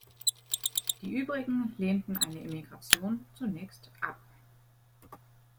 Die übrigen lehnten eine Emigration zunächst ab.